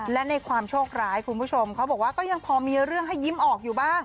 และในความโชคร้ายคุณผู้ชมเขาบอกว่าก็ยังพอมีเรื่องให้ยิ้มออกอยู่บ้าง